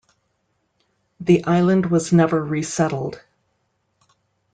The island was never resettled.